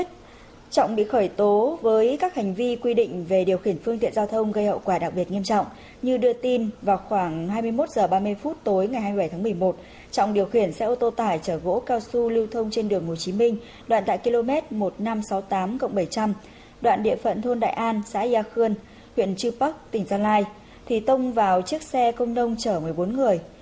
trọng bị khởi tố với các hành vi quy định về điều khiển phương tiện giao thông gây hậu quả đặc biệt nghiêm trọng như đưa tin vào khoảng hai mươi một h ba mươi tối ngày hai mươi bảy tháng một mươi một trọng điều khiển xe ô tô tải chở gỗ cao su lưu thông trên đường hồ chí minh đoạn tại km một nghìn năm trăm sáu mươi tám bảy trăm linh đoạn địa phận thôn đại an xã yà khương huyện chư bắc tỉnh gia lai thì tông vào chiếc xe công nông chở một mươi bốn người